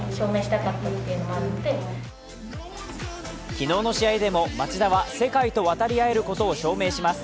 昨日の試合でも町田は世界と渡り合えることを証明します。